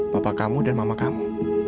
bapak kamu dan mama kamu